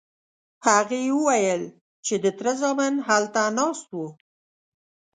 هغې وویل چې د تره زامن هلته ناست وو.